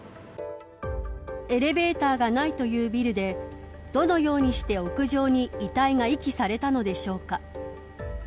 エレベーターがないというビルでどのようにして屋上に遺体が遺棄されたのでしょうか。